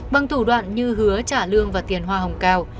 bằng thủ đoạn như hứa trả lương và tiền hoa hồng cao